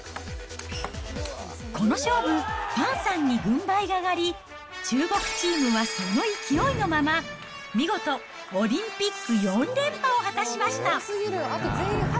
この勝負、ファンさんに軍配が上がり、中国チームはその勢いのまま見事、オリンピック４連覇を果たしました。